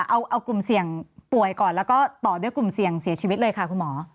เอากลุ่มเสี่ยงป่วยก่อนแล้วก็ต่อด้วยกลุ่มเสี่ยงเสียชีวิตเลยค่ะคุณหมอ